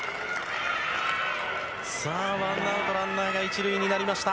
ワンアウトランナー１塁になりました。